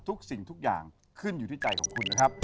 สิ่งทุกอย่างขึ้นอยู่ที่ใจของคุณนะครับ